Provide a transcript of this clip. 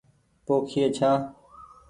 پوکئي ڇآن ۔